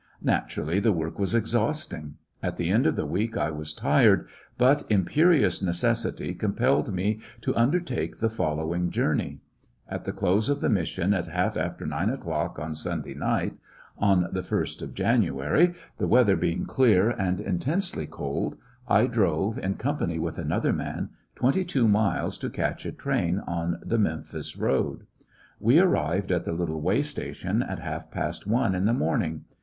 Naturally the work was exhausting. At the end of the week I was tired, but im perious necessity compelled me to undertake the following journey. At the close of the mission at half after nine o'clock on Sunday 73 ^cottections of a night, on the 1st of January, the weather being clear and intensely cold, I drove, in company with another man, twenty two miles to catch a train on the Memphis road. Burglanzing We arrived at the little way station at half the station j. . j.!. . ti. i. i. j past one m the morning.